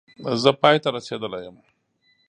زه پای ته رسېدلی یم